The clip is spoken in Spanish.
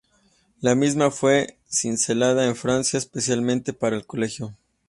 La misma fue cincelada en Francia especialmente para el Colegio.